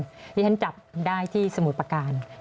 ที่แล้วท่านจับได้ที่สมุทรประกัน